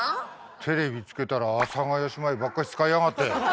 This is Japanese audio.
テレビつけたら阿佐ヶ谷姉妹ばっかし使いやがって。